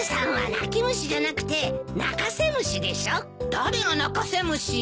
誰が泣かせ虫よ！